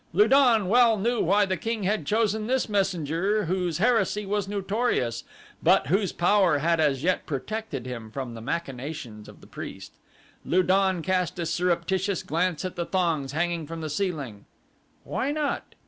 Lu don well knew why the king had chosen this messenger whose heresy was notorious, but whose power had as yet protected him from the machinations of the priest. Lu don cast a surreptitious glance at the thongs hanging from the ceiling. Why not?